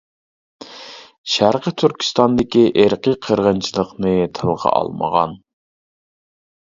شەرقىي تۈركىستاندىكى ئىرقىي قىرغىنچىلىقىنى تىلغا ئالمىغان.